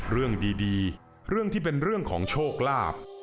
เรื่องดีเรื่องที่เป็นเรื่องของโชคลาภ